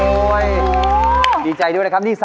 รวมทั้งหมดครู๔๙คะแนนของน้องอาร์ตค่ะ